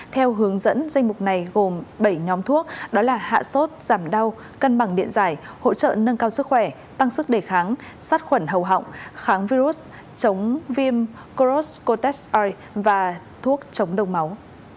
theo hướng dẫn danh mục này gồm bảy nhóm thuốc đó là hạ sốt giảm đau cân bằng điện giải hỗ trợ nâng cao sức khỏe tăng sức đề kháng sát khuẩn hầu họng kháng virus chống viêm cross cortex r và thuốc chống đông máu